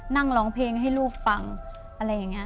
นั่งร้องเพลงให้ลูกฟังอะไรอย่างนี้